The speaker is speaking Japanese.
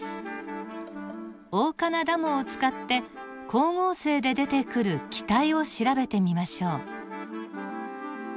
オオカナダモを使って光合成で出てくる気体を調べてみましょう。